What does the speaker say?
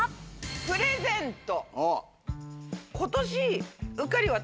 プレゼント。